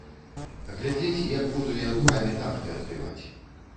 Глядзець, як буду я рукамі тахты адбіваць.